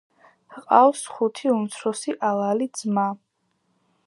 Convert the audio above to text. ჰყავს ხუთი უმცროსი ალალი ძმა.